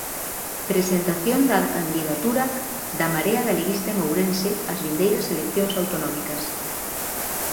Presentación da candidatura da Marea Galeguista en Ourense as vindeiras eleccións autonómicas.